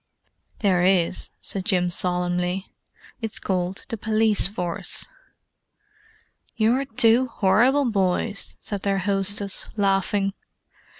"There is," said Jim solemnly. "It's called the Police Force." "You're two horrible boys!" said their hostess, laughing.